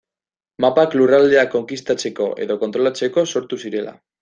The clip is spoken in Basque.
Mapak lurraldeak konkistatzeko edo kontrolatzeko sortu zirela.